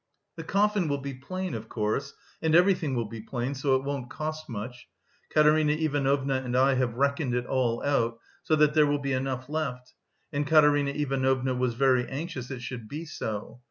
"The coffin will be plain, of course... and everything will be plain, so it won't cost much. Katerina Ivanovna and I have reckoned it all out, so that there will be enough left... and Katerina Ivanovna was very anxious it should be so.